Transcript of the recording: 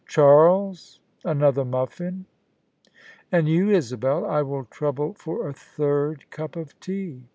Charles, another mufSn: and you, Isabel, I will trouble for a third cup of tea.